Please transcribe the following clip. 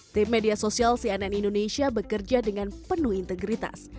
tim media sosial cnn indonesia bekerja dengan penuh integritas